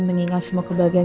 mengingat semua kebahagiaan